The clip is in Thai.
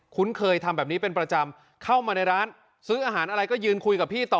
เคยทำแบบนี้เป็นประจำเข้ามาในร้านซื้ออาหารอะไรก็ยืนคุยกับพี่ต่อ